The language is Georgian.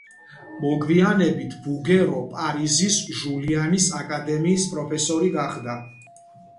მოგვიანებით ბუგერო პარიზის ჟულიანის აკადემიის პროფესორი გახდა.